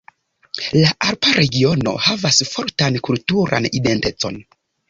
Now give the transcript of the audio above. La Alpa regiono havas fortan kulturan identecon.